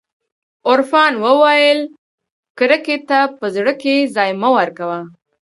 عرفان وويل کرکې ته په زړه کښې ځاى مه ورکوه.